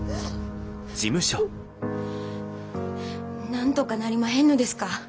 なんとかなりまへんのですか。